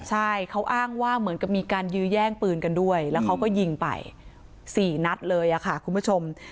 ใช่เขาอ้างว่ามีการยืยแย่งปืนกันด้วยแล้วก็ยิงไป๔นัดเลยค่ะคุณผู้ชม